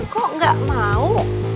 kok gak mau